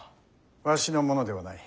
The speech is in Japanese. わしのものではない。